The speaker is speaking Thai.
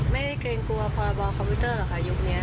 ไม่ได้เกรงกลัวปองระบองคอมพิวเตอร์หรอกค่ะยุคเนี้ย